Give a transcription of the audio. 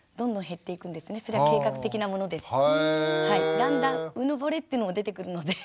だんだんうぬぼれっていうのも出てくるので。